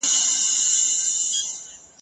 سرترنوکه ځان په زغره کي پېچلې ..